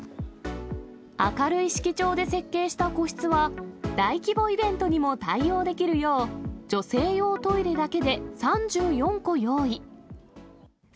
明るい色調で設計した個室は、大規模イベントにも対応できるよう、女性用トイレだけで３４個用意。